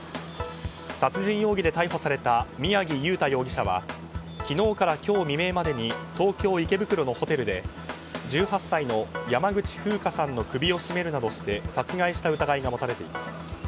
殺人容疑で逮捕された宮城祐太容疑者は昨日から今日未明までに東京・池袋のホテルで１８歳の山口ふうかさんの首を絞めるなどして殺害した疑いが持たれています。